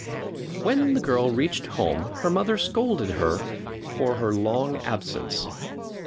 When the girl reached home her mother scolded her for her long absence.